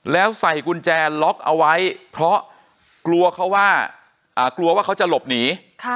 แล้วใส่กุญแจล็อกเอาไว้เพราะกลัวเขาว่ากลัวว่าเขาจะหลบหนี